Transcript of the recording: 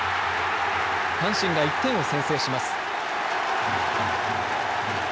阪神が１点を先制します。